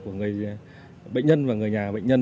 của người bệnh nhân và người nhà bệnh nhân